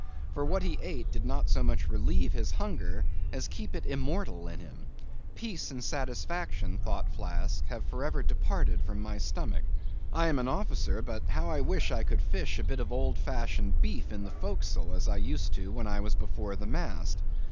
For what he ate did not so much relieve his hunger, as keep it immortal in him. Peace and satisfaction, thought Flask, have for ever departed from my stomach. I am an officer; but, how I wish I could fish a bit of old fashioned beef in the forecastle, as I used to when I was before the mast.